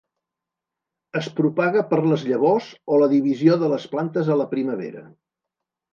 Es propaga per les llavors o la divisió de les plantes a la primavera.